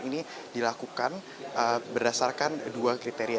ini dilakukan berdasarkan dua kriteria